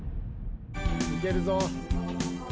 いけるぞ。